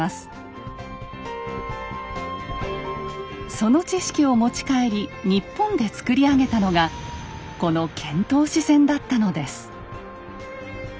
その知識を持ち帰り日本で造り上げたのがこの遣唐使船だったのです。